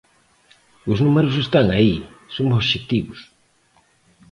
Os números están aí, son obxectivos.